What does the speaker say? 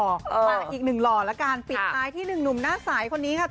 มาอีกหนึ่งหล่อแล้วกันปิดท้ายที่หนึ่งหนุ่มหน้าสายคนนี้ค่ะ